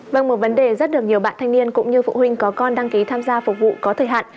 vâng một vấn đề rất được nhiều bạn thanh niên cũng như phụ huynh có con đăng ký tham gia phục vụ có thời hạn